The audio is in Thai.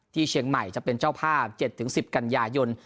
เชียงใหม่จะเป็นเจ้าภาพ๗๑๐กันยายน